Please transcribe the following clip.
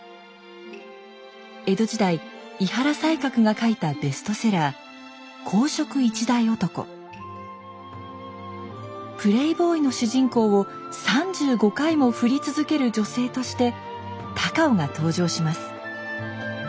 江戸時代井原西鶴が書いたベストセラープレーボーイの主人公を３５回もふり続ける女性として高尾が登場します。